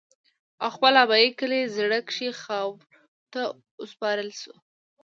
او خپل ابائي کلي زَړَه کښې خاورو ته اوسپارلے شو